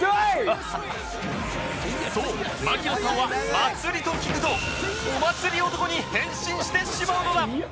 そう槙野さんは「祭り」と聞くとお祭り男に変身してしまうのだ